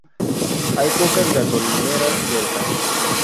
Hay pocas gasolineras cerca.